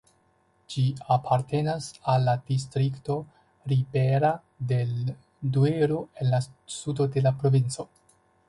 Ĝi apartenas al la distrikto Ribera del Duero en la sudo de la provinco.